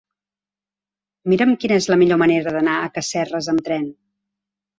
Mira'm quina és la millor manera d'anar a Casserres amb tren.